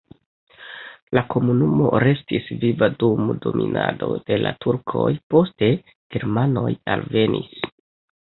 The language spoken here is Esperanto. La komunumo restis viva dum dominado de la turkoj, poste germanoj alvenis.